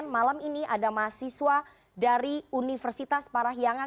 malam ini ada mahasiswa dari universitas parahiangan